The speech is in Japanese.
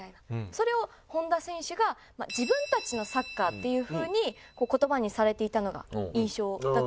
それを本田選手が「自分たちのサッカー」っていうふうに言葉にされていたのが印象だったんですね。